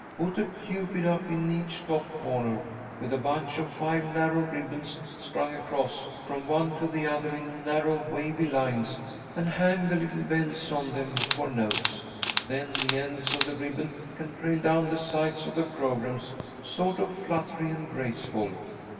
Put a Cupid up in each top corner, with a bunch of five narrow ribbons, strung across from one to the other in narrow, wavy lines, and hang the little bells on them for notes. Then the ends of the ribbons can trail down the sides of the programmes sort of fluttery and graceful.